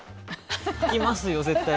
拭きますよ。